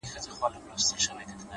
• زما په یاد دي پاچا خره ته وه ویلي,